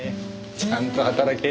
ちゃんと働け。